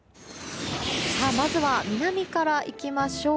まずは南から行きましょう。